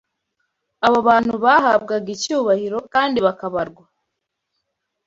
Abo bantu bahabwaga icyubahiro kandi bakabarwa